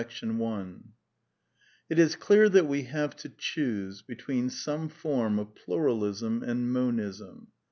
yin CONCLUSIONS It is clear, that we have to choose between some form of Pluralism and Monism.